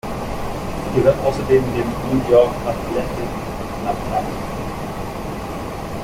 Sie gehört außerdem dem "New York Athletic Club" an.